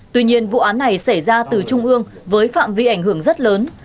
tuy nhiên vụ án này xảy ra từ trung ương với phạm vi ảnh hưởng rất lớn